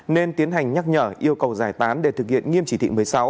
nên tiến hành nhắc nhở yêu cầu giải tán để thực hiện nghiêm chỉ thị một mươi sáu